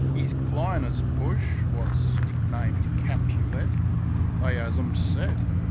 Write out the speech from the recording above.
'Is diner's push — wot's nicknamed Capulet — They 'as 'em set.